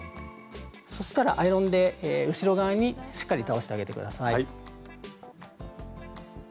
そしたらアイロンで後ろ側にしっかり倒してあげて下さい。